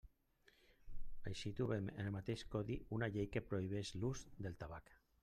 Així trobem en el mateix codi una llei que prohibeix l'ús del tabac.